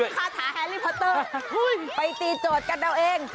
คาถาแฮรี่พอเตอร์ไปตีโจทย์กันเอาเอง